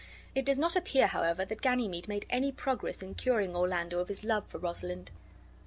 It does not appear, however, that Ganymede made any progress in curing Orlando of his love for Rosalind.